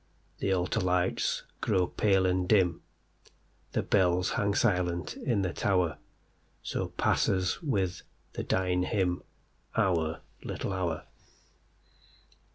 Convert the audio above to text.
The altar lights grow pale and dim, The bells hang silent in the tower—So passes with the dying hymnOur little hour.